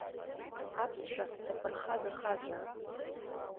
Аԥсшәа саԥырхагахазаап!